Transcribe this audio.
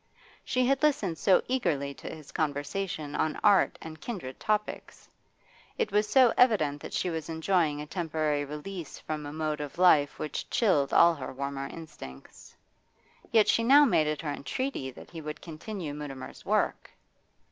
She had listened so eagerly to his conversation on art and kindred topics; it was so evident that she was enjoying a temporary release from a mode of life which chilled all her warmer instincts. Yet she now made it her entreaty that he would continue Mutimer's work.